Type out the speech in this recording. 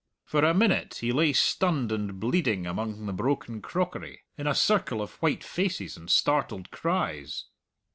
For a minute he lay stunned and bleeding among the broken crockery, in a circle of white faces and startled cries.